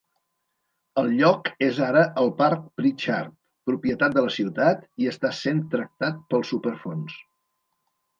El lloc és ara el Parc Pritchard, propietat de la ciutat, i està sent tractat pel Superfons.